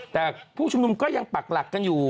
แต่ผู้ชุมนุมก็ยังปักหลักกันอยู่